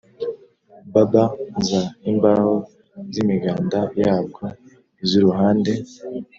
Bab za imbaho z imiganda yabwo iz uruhande